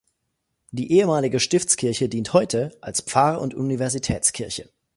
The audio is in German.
Die ehemalige Stiftskirche dient heute als Pfarr- und Universitätskirche.